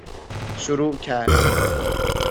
شروع کرد